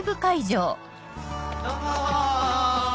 どうも！